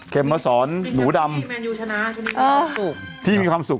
เข็มเผาสอนหนูดำทีมีคำสุขคุณอยู่ชนะทีมีคำสุข